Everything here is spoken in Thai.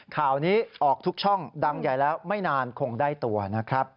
ข่าวนี้ออกทุกช่องดังใหญ่แล้วไม่นานคงได้ตัวนะครับ